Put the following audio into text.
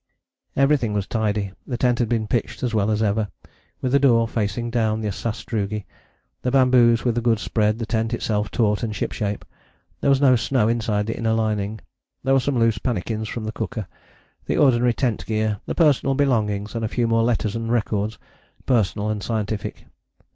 Everything was tidy. The tent had been pitched as well as ever, with the door facing down the sastrugi, the bamboos with a good spread, the tent itself taut and shipshape. There was no snow inside the inner lining. There were some loose pannikins from the cooker, the ordinary tent gear, the personal belongings and a few more letters and records personal and scientific.